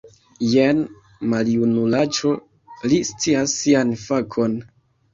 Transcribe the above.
Jen, maljunulaĉo, li scias sian fakon!